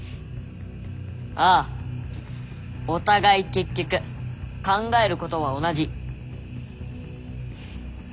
ああお互い結局考えることは同じ。